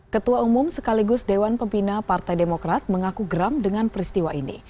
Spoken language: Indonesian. ketua umum sekaligus dewan pembina partai demokrat mengaku geram dengan peristiwa ini